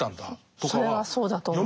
それはそうだと思います。